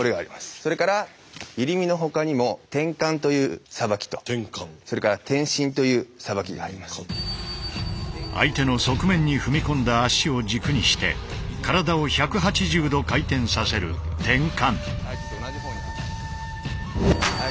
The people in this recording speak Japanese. それから入身のほかにも相手の側面に踏み込んだ足を軸にして体を１８０度回転させる「転換」。